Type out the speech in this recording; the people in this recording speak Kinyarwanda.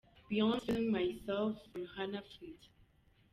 Beyoncé – Feeling Myself rihanna ft.